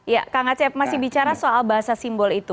ya kak ngecep masih bicara soal bahasa simbol itu